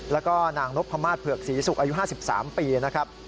แล้วก็นางนพมาศเผือกศรีศุกร์อายุ๕๓ปีนะครับ